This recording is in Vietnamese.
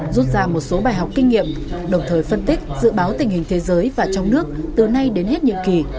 rút ra một số bài học kinh nghiệm đồng thời phân tích dự báo tình hình thế giới và trong nước từ nay đến hết nhiệm kỳ